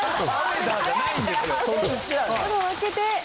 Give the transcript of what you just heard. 窓を開けて。